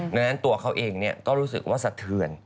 ดังนั้นตัวเขาเองก็รู้สึกว่าสะเทือน